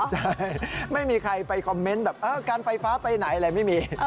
ใช่ไม่มีใครไปคอมเมนต์แบบเออการไฟฟ้าไปไหนอะไรไม่มี